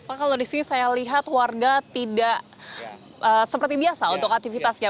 pak kalau di sini saya lihat warga tidak seperti biasa untuk aktivitasnya